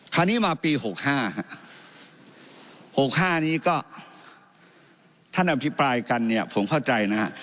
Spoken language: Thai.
คราวนี้มาปี๖๕๖๕นี้ก็ท่านอภิปรายกันเนี่ยผมเข้าใจนะฮะ